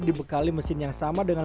dibekali mesin yang sama dengan